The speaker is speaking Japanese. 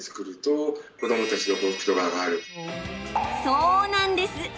そうなんです。